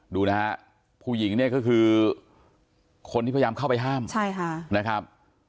ดูนะฮะผู้หญิงเนี่ยก็คือคนที่พยายามเข้าไปห้ามใช่ค่ะนะครับ